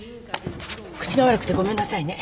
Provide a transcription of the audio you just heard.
口が悪くてごめんなさいね。